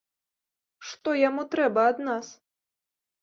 Што яму трэба ад нас?